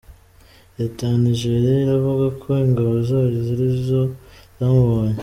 Leta ya Nigeria iravuga ko ingabo zayo arizo zamubonye.